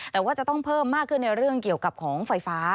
แต่ว่าจะต้องเพิ่มมากขึ้นในเรื่องเกี่ยวกับของไฟฟ้า